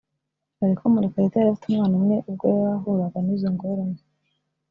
dore ko Murekatete yari afite umwana umwe ubwo yahuraga n’izo ngorane